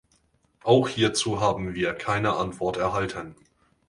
Auch hierzu haben wir keine Antwort erhalten.